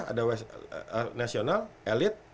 ada wasit nasional elit